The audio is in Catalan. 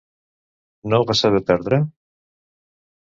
No va saber perdre?